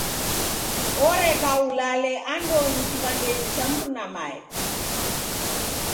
Oreka ulale andonyi kiw'andenyi cha mruna mae.